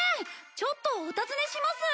ちょっとお尋ねします。